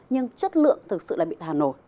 nhưng chất lượng thực sự là bị thả nổi